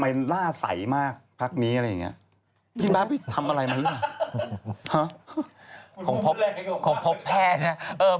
ทำไมหน้าใสมากพักนี้อะไรอย่างนี้